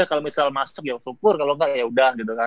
kalau misal masuk ya syukur kalau nggak yaudah gitu kan